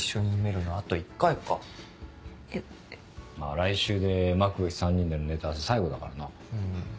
来週でマクベス３人でのネタ合わせ最後だからな。